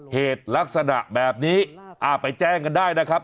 เหตุลักษณะแบบนี้ไปแจ้งกันได้นะครับ